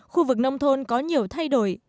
khu vực nông thôn có nhiều thay đổi